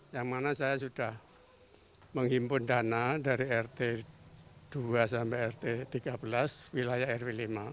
yang mana saya sudah menghimpun dana dari rt dua sampai rt tiga belas wilayah rw lima